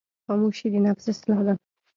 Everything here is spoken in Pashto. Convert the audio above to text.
خاموشي، د نفس اصلاح ده.